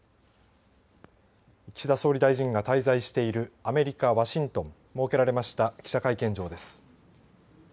岸田総理大臣が滞在しているアメリカ・ワシントン設けられました記者会見場です。